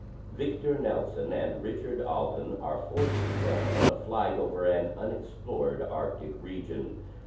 ] Victor Nelson and Richard Alden are forced down on a flight over an unexplored Arctic region.